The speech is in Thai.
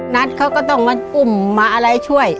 นัทเขาก็ต้องมาอุ้มมาอะไรช่วย